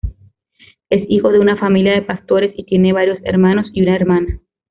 Es hijo de una familia de pastores, y tiene varios hermanos y una hermana.